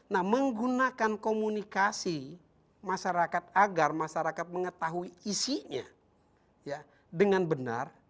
nah menggunakan komunikasi masyarakat agar masyarakat mengetahui isinya dengan benar